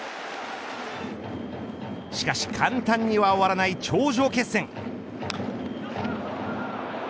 しかし簡単には終わらない頂上決戦。